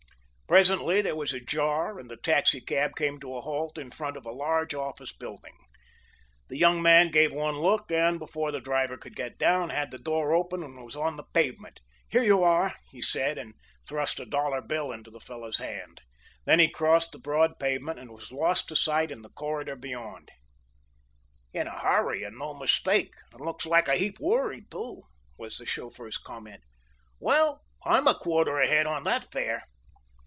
Presently there was a jar, and the taxicab came to a halt in front of a large office building. The young man gave one look, and, before the driver could get down, had the door open and was on the pavement. "Here you are," he said and thrust a dollar bill into the fellow's hand. Then he crossed the broad pavement and was lost to sight in the corridor beyond. "In a hurry and no mistake, and looks a heap worried, too," was the chauffeur's comment. "Well, I'm a quarter ahead on that fare."